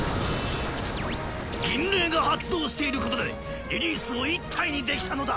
銀嶺が発動していることでリリースを１体にできたのだ！